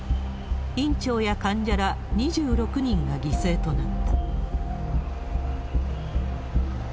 院長や患者ら２６人が犠牲となった。